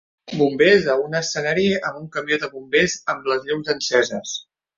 Bombers a un escenari amb un camió de bombers amb les llums enceses